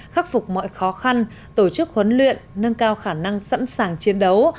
khắc phục mọi khó khăn tổ chức huấn luyện nâng cao khả năng sẵn sàng chiến đấu